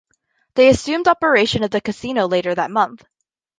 They assumed operation of the casino later that month.